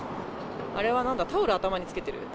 あれはなんだ、タオル頭につけてる？